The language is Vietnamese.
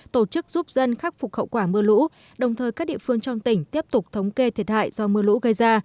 tổ chức giúp dân khắc phục hậu quả mưa lũ đồng thời các địa phương trong tỉnh tiếp tục thống kê thiệt hại do mưa lũ gây ra